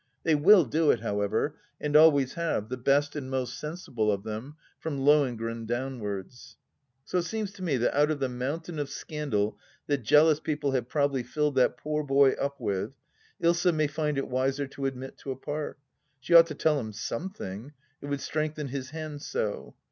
They will do it, however, and always have, the best and most sensible of them, from Lohengrin downwards. So it seems to me that out of the mountain of scandal that jealous people have probably filled that poor boy up with, Ilsa may find it wiser to admit to a part. She ought to tell him something ; it would strengthen his hand so.